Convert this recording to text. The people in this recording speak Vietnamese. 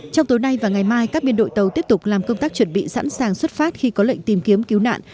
trong tối nay và ngày mai các biên đội tàu tiếp tục làm công tác chuẩn bị sẵn sàng xuất phát khi có lệnh tìm kiếm cứu nạn